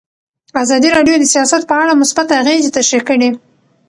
ازادي راډیو د سیاست په اړه مثبت اغېزې تشریح کړي.